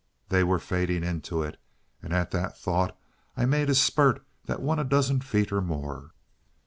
They were fading into it, and at that thought I made a spurt that won a dozen feet or more.